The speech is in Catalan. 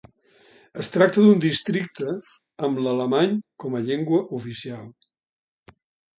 Es tracta d'un districte amb l'alemany com a llengua oficial.